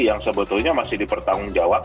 yang sebetulnya masih dipertanggung jawab